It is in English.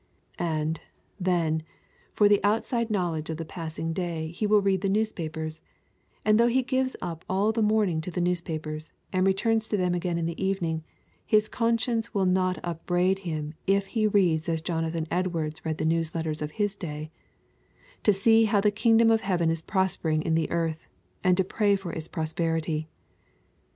And, then, for the outside knowledge of the passing day he will read the newspapers, and though he gives up all the morning to the newspapers, and returns to them again in the evening, his conscience will not upbraid him if he reads as Jonathan Edwards read the newsletters of his day, to see how the kingdom of heaven is prospering in the earth, and to pray for its prosperity.